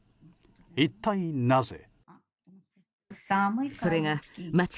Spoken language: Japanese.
一体なぜ？